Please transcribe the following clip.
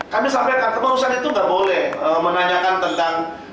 kami sampaikan ke perusahaan itu tidak boleh menanyakan tentang